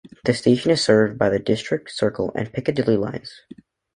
The station is served by the District, Circle and Piccadilly lines.